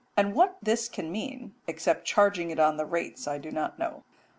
And what this can mean except charging it on the rates I do not know.